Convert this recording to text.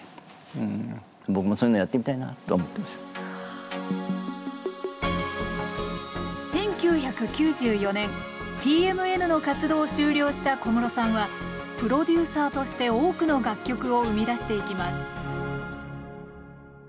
当時当時は１９９４年ＴＭＮの活動を終了した小室さんはプロデューサーとして多くの楽曲を生み出していきます